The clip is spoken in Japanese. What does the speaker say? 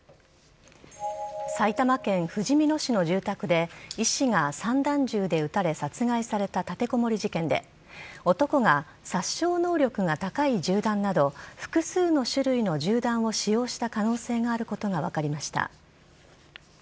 埼玉県ふじみ野市の住宅で医師が散弾銃で撃たれ殺害された、立てこもり事件で男が、殺傷能力が高い銃弾など複数の種類の銃弾を使用した可能性があることが分かりました。